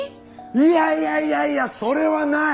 いやいやいやいやそれはない！